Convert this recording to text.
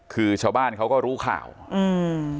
คือชาวบ้านเขาก็รู้ข่าวอืม